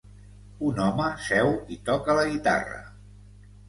Un home seu i toca la guitarra.